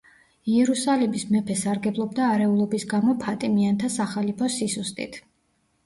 იერუსალიმის მეფე სარგებლობდა არეულობის გამო ფატიმიანთა სახალიფოს სისუსტით.